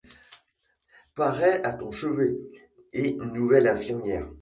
Paraît à ton chevet, et, nouvelle infirmière